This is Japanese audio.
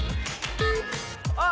あっ！